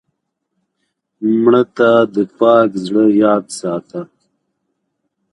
مړه ته د پاک زړه یاد ساته